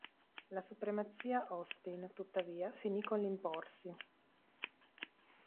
La supremazia Austin, tuttavia, finì con l'imporsi.